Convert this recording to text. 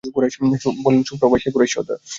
বলল, সুপ্রভাত, হে কুরাইশ সর্দার!